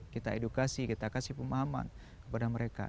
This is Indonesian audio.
kita edukasi kita kasih pemahaman kepada mereka